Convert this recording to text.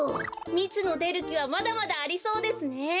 みつのでるきはまだまだありそうですね。